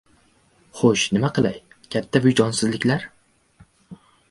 Xo‘sh, nima qilay! Katta vijdonsizliklar